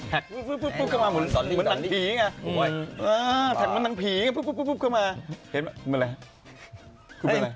แทคปุ๊บเข้ามาเหมือนทางผีอ่ะแทคมันทางผีอ่ะเพิ่งมาเห็นมั้ยมึงอะไร